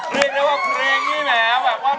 เรียกได้ว่าเพลงนี้แหมแบบว่า